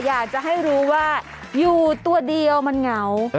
อยากจะให้รู้ว่าอยู่ตัวเดียวมันเหงา